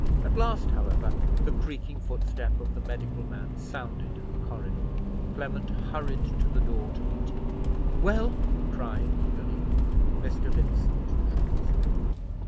At last, however, the creaking footstep of the medical man sounded in the corridor. Clement hurried to the door to meet him. "Well!" he cried, eagerly. Mr. Vincent shook his head.